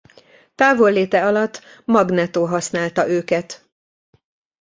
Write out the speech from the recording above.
Távolléte alatt Magneto használta őket.